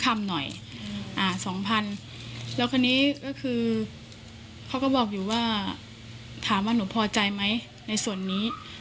คำหน่อยอ่า๒๐๐๐แล้วคนนี้ก็คือเขาก็บอกอยู่ว่าถามว่าหนูพอใจไหมในส่วนนี้